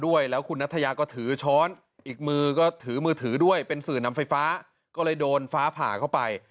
ด้วยแล้วคุณนัทยาก็ถือช้อนอีกมือก็ถือมือถือด้วยเป็นสื่อนำไฟฟ้าก็เลยโดนฟ้าผ่าเข้าไป